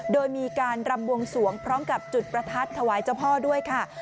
โดยมีการรำบวงสวงพร้อมกับจุดประทัดถวายเจ้าพ่อด้วยค่ะ